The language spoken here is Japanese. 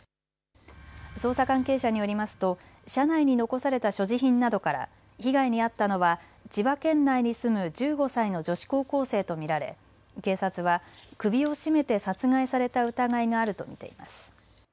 捜査関係者によりますと車内に残された所持品などから被害に遭ったのは千葉県内に住む１５歳の女子高校生と見られ警察は首を絞めて殺害された疑いがあると見ています。